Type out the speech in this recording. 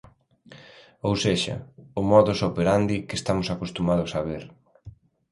Ou sexa, o modus operandi que estamos acostumados a ver.